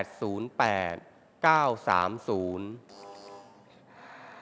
ออกรางวัลที่๔ครั้งที่๑๖